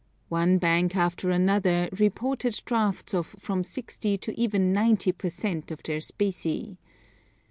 One bank after another reported drafts of from sixty to even ninety per cent. of their specie.